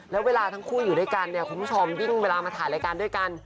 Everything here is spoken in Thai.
แล้วเวลาทั้งคู่อยู่ด้วยกันเนี่ยคุณผู้ชมยิ่งเวลามาถ่ายรายการด้วยกัน